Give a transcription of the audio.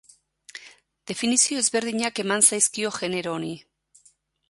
Definizio ezberdinak eman zaizkio genero honi.